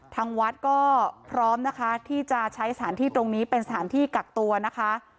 ทางวัดก็พร้อมนะคะที่จะใช้สถานที่ตรงนี้เป็นสถานที่กักตัวนะคะ